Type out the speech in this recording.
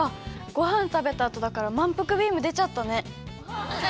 ごはんたべたあとだからまんぷくビームでちゃったね。